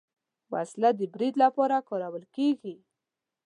وسله د برید لپاره کارول کېږي